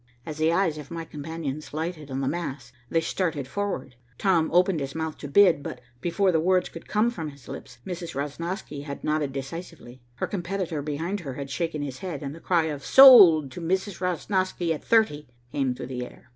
As the eyes of my companions lighted on the mass, they started forward. Tom opened his mouth to bid, but, before the words could come from his lips, Mrs. Rosnosky had nodded decisively. Her competitor behind her had shaken his head, and the cry of "Sold to Mrs. Rosnosky at thirty" came through the air.